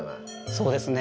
そうですね。